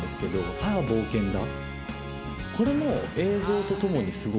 「さあ冒険だ」